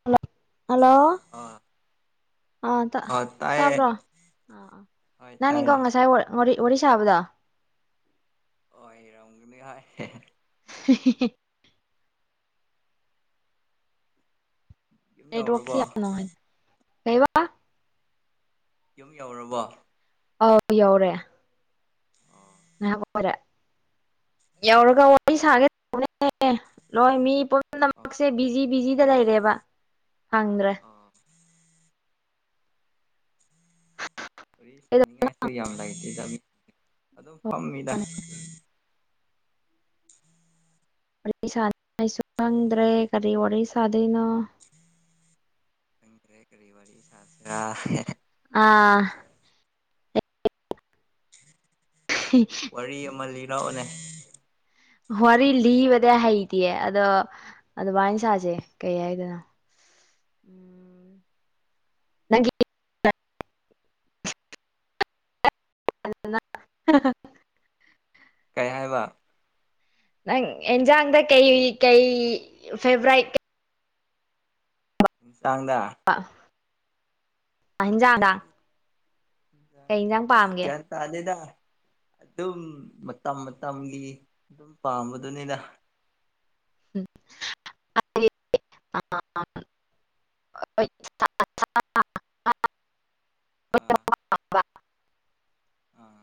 [unintelligible] ꯑꯥ ꯑ ꯇꯥ ꯇꯥꯕ꯭ꯔꯣ ꯍꯣꯏ ꯅꯪꯅꯤꯒꯣ ꯇꯥꯏꯌꯦ ꯉꯁꯥꯥꯏ ꯋꯥ ꯋꯥꯔꯤ ꯋꯥꯔꯤ ꯁꯥꯥꯕꯗꯣ ꯑꯣꯢꯔꯝꯒꯤꯅꯤ ꯍꯣꯏ [unintelligible] ꯌꯨꯝ ꯅꯦꯠꯋꯥꯛꯁꯤ ꯌꯧꯔꯕꯣ ꯌꯥꯝ ꯅꯨꯡꯉꯥꯢꯇꯦ ꯀꯩꯕ ꯌꯨꯝ ꯌꯧꯔꯕꯣ ꯑꯥꯎ ꯌꯥꯎꯔꯦ ꯑꯣ ꯍꯔꯦ [unintelligible] ꯌꯧꯔꯒ ꯋꯥꯔꯤ ꯁꯥꯒꯦ ꯇꯅꯦ ꯂꯣꯏ ꯃꯤ ꯑꯥ ꯄꯝꯅꯃꯛꯁꯦ ꯕꯤꯖꯤ ꯕꯤꯖꯤꯗ ꯂꯩꯔꯦꯕ ꯐꯪꯗ꯭ꯔꯦ ꯑꯥ [unintelligible] ꯌꯥꯝ ꯂꯩꯇꯦꯗ ꯃꯤ ꯑꯗꯨꯝ ꯐꯝꯃꯤꯗ ꯋꯥꯔꯤ ꯁꯥꯅꯥꯡꯉꯥꯢꯁꯨ ꯈꯪꯗ꯭ꯔꯦ ꯀꯔꯤ ꯋꯥꯔꯤ ꯁꯥꯗꯣꯏꯅꯣ ꯈꯪꯗ꯭ꯔꯦ ꯀꯔꯤ ꯋꯥꯔꯤ ꯁꯥꯁꯤꯔꯥ ꯑꯥ [unintelligible] ꯋꯥꯔꯤ ꯑꯃ ꯂꯤꯔꯛꯑꯣꯅꯦ ꯋꯥꯔꯤ ꯂꯤꯕꯗꯤ ꯍꯩꯇꯦ ꯑꯗꯣ ꯑꯗꯨꯃꯥꯏꯅ ꯁꯥꯥꯁꯦ ꯀꯩ ꯍꯥꯏꯗꯨꯢꯅꯣ ꯅꯪꯒꯤ [unintelligible] ꯀꯩ ꯍꯥꯏꯕ ꯅꯪ ꯑꯦꯟꯖꯥꯡꯗ ꯀꯩ ꯀꯩ ꯐꯦꯕꯥꯎꯔꯥꯠ ꯇꯥꯡꯗꯥ ꯍꯟꯖꯥꯡꯗꯥ ꯑꯩ ꯀꯩ ꯏꯟꯁꯥꯡꯁꯦ ꯏꯟꯖꯥꯡ ꯑꯁ ꯄꯥꯝꯒꯦ ꯒ꯭ꯌꯥꯟ ꯇꯥꯗꯦꯗ ꯑꯗꯨꯝ ꯃꯇꯝ ꯃꯇꯝꯒꯤ ꯑꯗꯨꯝ ꯄꯥꯝꯕꯗꯨꯅꯦꯗ ꯎꯝ [unintelligible] [unintelligible] ꯑꯥ ꯑꯥ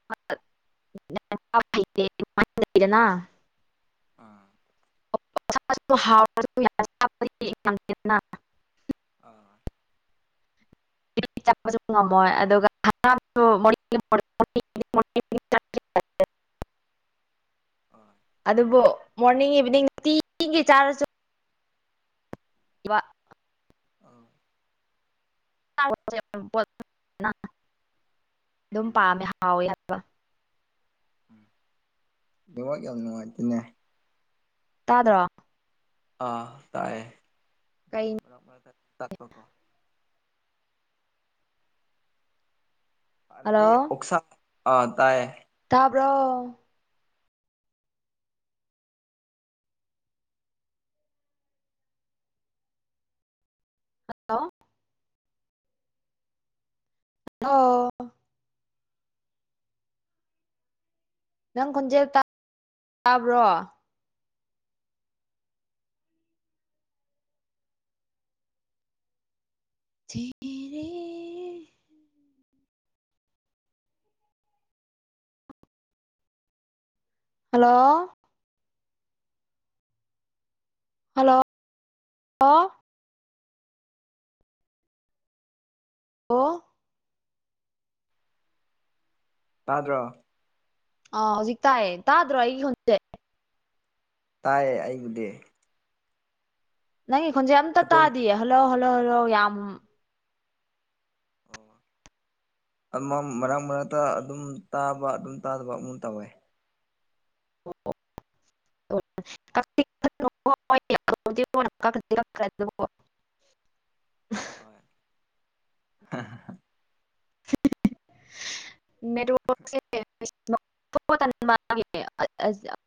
[unintelligible] ꯑꯥ [unintelligible] ꯑꯥ ꯑꯩꯗꯤ ꯆꯥꯕꯁꯨ ꯉꯝꯃꯣꯏ ꯑꯗꯨꯒ [unintelligible] ꯑꯥ ꯑꯗꯨꯕꯨ ꯃꯣꯔꯅꯤꯡ ꯏꯚꯤꯅꯤꯡ ꯅꯨꯡꯇꯤꯒꯤ ꯆꯥꯔꯁꯨ ꯋꯥ ꯑꯥ ꯑꯗꯨꯝ ꯎꯝ ꯄꯥꯝꯃꯦ ꯍꯥꯎꯋꯦ ꯍꯥꯏꯕ ꯅꯦꯋꯥꯛ ꯌꯥꯝ ꯅꯨꯡꯉꯥꯏꯇꯦꯅꯦ ꯇꯥꯗ꯭ꯔꯣ ꯑꯥ ꯇꯥꯏꯑꯦ ꯑꯗꯨꯝ ꯀꯩ ꯃꯔ ꯇꯥꯛꯄꯀꯣ ꯍꯟꯅꯗꯤ ꯍꯜꯂꯣ ꯑꯣꯛꯁꯥ ꯑ ꯇꯥꯏ ꯇꯥꯕ꯭ꯔꯣ ꯍꯜꯂꯣ ꯑꯣ ꯅꯪ ꯈꯣꯟꯖꯦꯜ ꯇꯥ ꯇꯥꯕ꯭ꯔꯣ ꯖꯤꯅꯤꯔꯦ ꯍꯜꯂꯣ ꯍꯜꯂꯣ ꯑꯣ ꯑꯣ ꯇꯥꯗ꯭ꯔꯣ ꯑꯥ ꯍꯧꯖꯤꯛ ꯇꯥꯏꯌꯦ ꯇꯥꯗ꯭ꯔꯣ ꯑꯩꯒꯤ ꯈꯣꯟꯁꯦ ꯇꯥꯏ ꯑꯩꯕꯨꯗꯤ ꯅꯪꯒꯤ ꯈꯣꯟꯖꯦꯟ ꯑꯝꯇ ꯑꯗꯨꯝ ꯇꯥꯗꯤꯌꯦ ꯍꯜꯂꯣ ꯍꯜꯂꯣ ꯍꯜꯂꯣ ꯌꯥꯝ ꯑꯣ ꯑꯃꯝ ꯃꯔꯛ ꯃꯔꯛꯇ ꯑꯗꯨꯝ ꯇꯥꯕ ꯑꯗꯨꯝ ꯇꯥꯗꯕ ꯑꯃꯨꯛ ꯇꯧꯋꯦ ꯑꯣ ꯀꯥꯛꯇꯤ ꯀꯥꯛꯅꯨꯀꯣ [unintelligible] ꯍꯣꯏ ꯑ ꯅꯦꯠꯋꯥꯛ ꯁꯦ [unintelligible]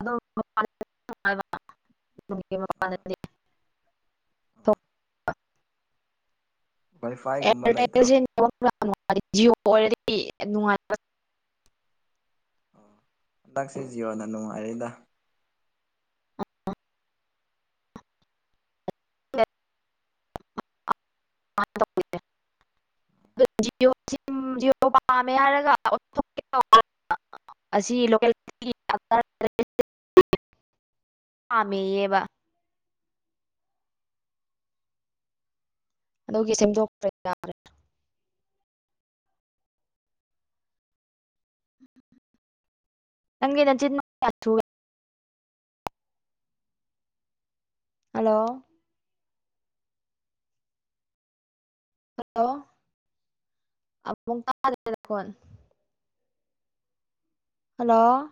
ꯎꯝ ꯋꯥꯏꯐꯥꯏꯒꯨꯝꯕ ꯂꯩꯇ꯭ꯔꯣ ꯑꯦꯌꯥꯔꯇꯦꯜꯁꯦ ꯅꯦꯋꯥꯛ ꯌꯥꯝ ꯅꯨꯡꯉꯥꯏ ꯖꯤꯑꯣ ꯑꯣꯏꯔꯗꯤ ꯅꯨꯡꯉꯥꯏ ꯍꯟꯗꯛꯁꯦ ꯖꯤꯌꯣꯅ ꯅꯨꯡꯉꯥꯏꯔꯤꯗ ꯅꯦ [unintelligible] [inaudible] ꯖꯤꯑꯣ ꯁꯤꯝ ꯖꯤꯑꯣ ꯄꯥꯝꯃꯦ ꯍꯥꯏꯔꯒ ꯑꯣꯟꯊꯣꯛꯀꯦ ꯇꯧꯕ ꯑꯁꯤ ꯂꯣꯀꯦꯜꯒꯤ [unintelligible] ꯄꯥꯃꯦꯌꯦꯕ ꯑꯗꯨꯒꯤ ꯁꯦꯝꯗꯣꯛꯄ꯭ꯔꯦ ꯅ ꯅꯪꯒꯤ ꯅꯆꯤꯟ [unintelligible] ꯍꯜꯂꯣ ꯍꯜꯂꯣ [unintelligible] ꯐꯣꯟ ꯍꯜꯂꯣ